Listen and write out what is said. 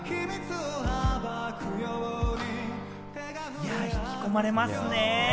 いや、引き込まれますよね。